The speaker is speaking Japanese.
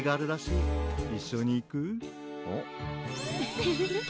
フフフッ。